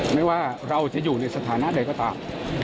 ไม่ว่าเราจะอยู่ในสถานะใดก็ตาม